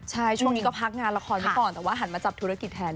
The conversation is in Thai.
ใช่ช่วงนี้ก็พักงานละครไว้ก่อนแต่ว่าหันมาจับธุรกิจแทน